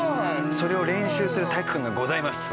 それを練習する体育館がございます。